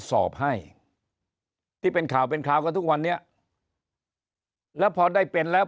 สอบให้ที่เป็นข่าวเป็นคราวกันทุกวันนี้แล้วพอได้เป็นแล้ว